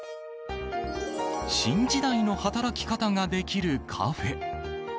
新時代の働き方ができるカフェ。